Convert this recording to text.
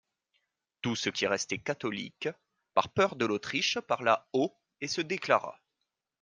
Tout ce qui restait catholique par peur de l'Autriche parla haut et se déclara.